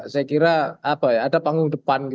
saya kira ada panggung depan